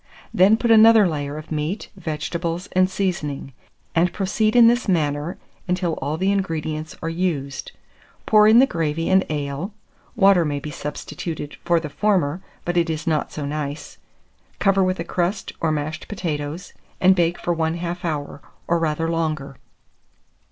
Then put another layer of meat, vegetables, and seasoning; and proceed in this manner until all the ingredients are used. Pour in the gravy and ale (water may be substituted for the former, but it is not so nice), cover with a crust or mashed potatoes, and bake for 1/2 hour, or rather longer.